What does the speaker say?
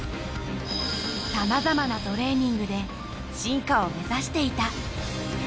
さまざまなトレーニングで進化を目指していた。